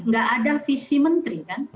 gak ada visi menteri kan